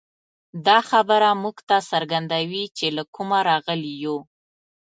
دا خبره موږ ته څرګندوي، چې له کومه راغلي یو.